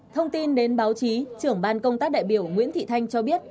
thông tin đến báo chí trưởng ban công tác đại biểu nguyễn thị thanh cho biết